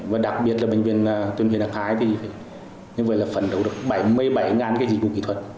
và đặc biệt là bệnh viện tuyển viên đặc khái thì phải phấn đấu được bảy mươi bảy cái dịch vụ kỹ thuật